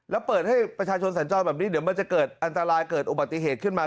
แล้วเปิดให้ประชาชนสัญจรแบบนี้เดี๋ยวมันจะเกิดอันตรายเกิดอุบัติเหตุขึ้นมา